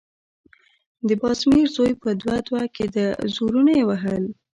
د بازمير زوی په دوه_ دوه کېده، زورونه يې وهل…